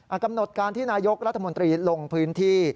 กำหนดการที่นายกรัฐมนตรีลงพื้นที่